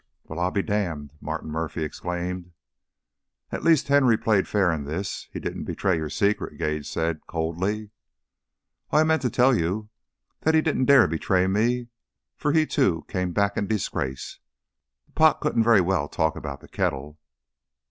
"Well, I'll be damned!" Martin Murphy exclaimed. "At least Henry played fair in this; he didn't betray your secret," Gage said, coldly. "Oh, I meant to tell you that he didn't dare betray me, for he, too, came back in disgrace. The pot couldn't very well talk about the kettle."